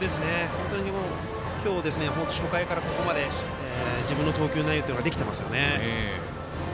本当に今日、初回からここまで自分の投球内容というのができてますよね。